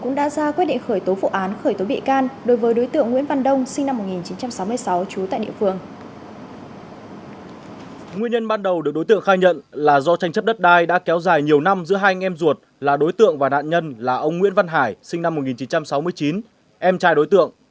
nguyên nhân ban đầu được đối tượng khai nhận là do tranh chấp đất đai đã kéo dài nhiều năm giữa hai anh em ruột là đối tượng và nạn nhân là ông nguyễn văn hải sinh năm một nghìn chín trăm sáu mươi chín em trai đối tượng